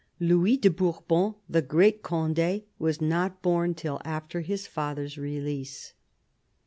Louis de Bourbon, the great Conde, was not born till after his father's release.